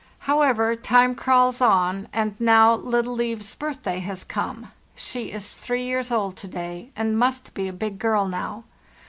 However, time crawls on, and now little Liv's birthday has come. She is three years old to day, and must be a big girl now.